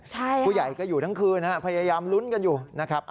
ผู้ใหญ่ก็อยู่ทั้งคืนนะครับพยายามลุ้นกันอยู่นะครับ